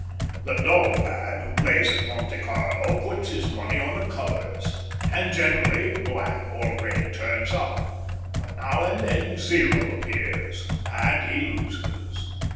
The dull man who plays at Monte Carlo puts his money on the colours, and generally black or red turns up; but now and then zero appears, and he loses.